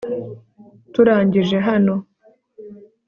turangije hano